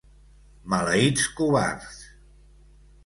Maleïts covards!